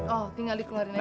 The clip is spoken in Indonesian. oh tinggal dikeluarin aja